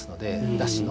だしの。